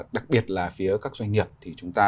đặc biệt là phía các doanh nghiệp thì chúng ta